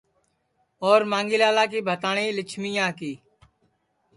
اور مانگھی لالا کی بھتاٹؔی لیجھمیا کی